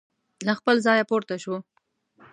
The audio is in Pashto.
له خپل ځایه پورته شو.